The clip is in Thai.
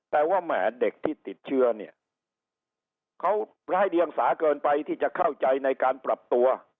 แต่ว่าแหมเด็กที่ติดเชื้อเนี่ยเขาร้ายเดียงสาเกินไปที่จะเข้าใจในการปรับตัว